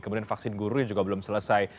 kemudian vaksin guru yang juga belum selesai